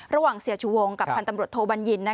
ระหว่างเสียชูวงกับพันธ์ตำรวจโทบัญญิน